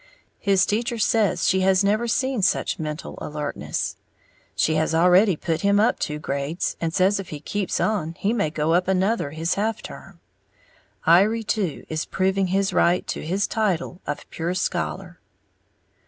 His teacher says she has never seen such mental alertness. She has already put him up two grades, and says if he keeps on he may go up another this half term. Iry, too, is proving his right to his title of "pure scholar."